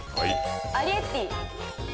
『アリエッティ』。